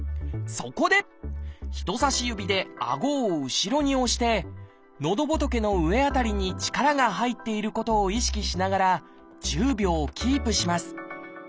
そこで人さし指であごを後ろに押してのどぼとけの上辺りに力が入っていることを意識しながら１０秒キープします。